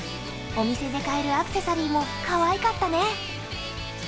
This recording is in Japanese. お店で買えるアクセサリーもかわいかったね。